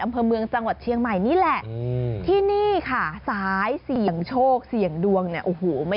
ยังไม่หมดยังไม่หมดแค่นี้นะคะ